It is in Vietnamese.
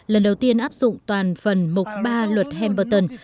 lần đầu tiên áp dụng toàn phần mục ba luật hamberton